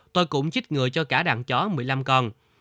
tôi cũng chích ngừa cho cả đàn chó một mươi năm con